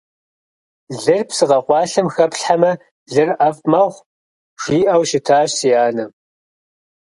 Лыр псы къэкъуалъэм хэплъхьэмэ – лыр ӀэфӀ мэхъу, жиӀэу щытащ си анэм.